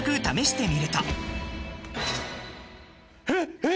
えっ！？